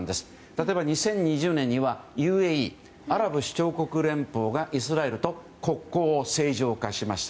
例えば２０２０年にはＵＡＥ・アラブ首長国連邦がイスラエルと国交を正常化しました。